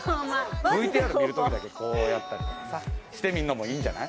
ＶＴＲ見るときだけこうやったりとかさ、してみるのもいいんじゃない？